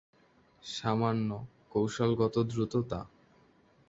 সামান্য - কৌশলগত দ্রুততা?